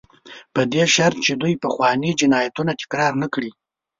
په دې شرط چې دوی پخواني جنایتونه تکرار نه کړي.